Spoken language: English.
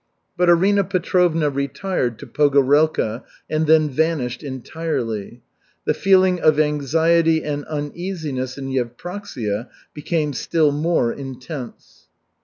But Arina Petrovna retired to Pogorelka, and then vanished entirely. The feeling of anxiety and uneasiness in Yevpraksia became still more intense.